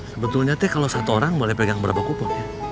sebetulnya teh kalau satu orang boleh pegang berapa kupon